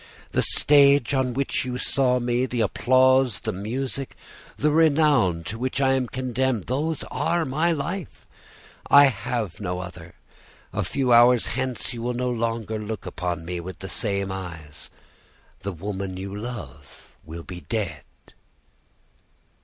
'The stage on which you saw me, the applause, the music, the renown to which I am condemned those are my life; I have no other. A few hours hence you will no longer look upon me with the same eyes, the woman you love will be dead.